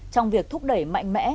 trong việc thúc đẩy mạnh mẽ